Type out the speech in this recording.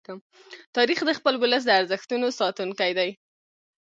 تاریخ د خپل ولس د ارزښتونو ساتونکی دی.